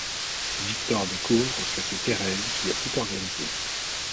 Victor découvre que c'est Thérèse qui a tout organisé.